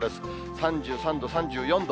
３３度、３４度。